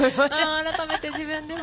改めて自分でも。